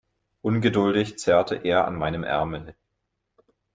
Ungeduldig zerrte er an meinem Ärmel.